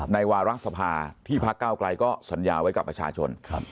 ในวารักษภาที่พระก้าวกลายก็สัญญาไว้กับประชาชน